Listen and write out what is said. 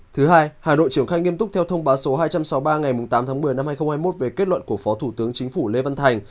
thứ hai hà nội triển khai nghiêm túc theo thông báo số hai trăm sáu mươi ba ngày tám tháng một mươi năm hai nghìn hai mươi một về kết luận của phó thủ tướng chính phủ lê văn thành